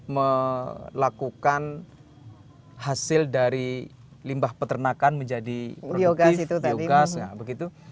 melakukan hasil dari limbah peternakan menjadi produktif biogas begitu